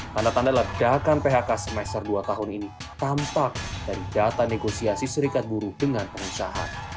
tanda tanda ledakan phk semester dua tahun ini tampak dari data negosiasi serikat buruh dengan pengusaha